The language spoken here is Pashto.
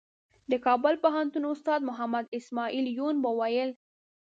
د کابل پوهنتون استاد محمد اسمعیل یون به ویل.